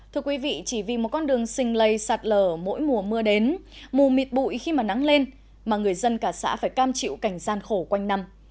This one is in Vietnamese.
thưa quý vị chỉ vì một con đường xình lây sạt lở mỗi mùa mưa đến mù mịt bụi khi mà nắng lên mà người dân cả xã phải cam chịu cảnh gian khổ quanh năm